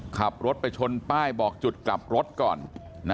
ขับรถไปชนป้ายบอกจุดกลับรถก่อน